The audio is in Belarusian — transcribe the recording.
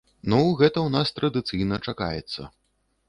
Ну, гэта ў нас традыцыйна чакаецца.